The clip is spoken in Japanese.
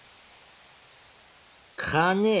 金？